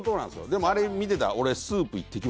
でもあれ見てた？